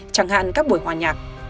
chẳng hạn các buổi hòa nhạc